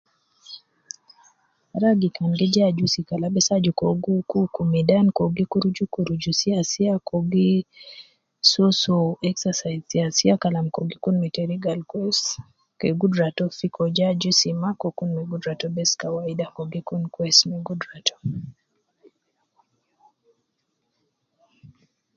Ragi kan ja ajusi kala bes aju ke uwo gi wuku wuku midan, ke uwo gi kuruju kuruju sia sia, ke uwo gi soo soo exercise sia sia kalam ke uwo gi gai me teriga al kwesi, ke gudra to fi ,ke uwo ja ajus ma ke gudra to bes gai kawaida, ke uwo gi kun kwesi me gudra to